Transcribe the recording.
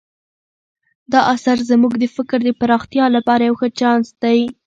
دا اثر زموږ د فکر د پراختیا لپاره یو ښه چانس دی.